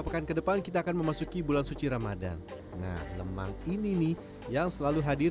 pekan kedepan kita akan memasuki bulan suci ramadhan nah lemang ini nih yang selalu hadir